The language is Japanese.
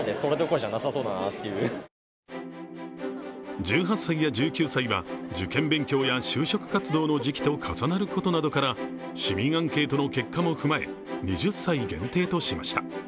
１８歳や１９歳は就職活動や受験勉強の時期と重なることなどから、市民アンケートの結果も踏まえ２０歳限定としました。